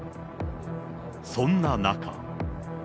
そんな中。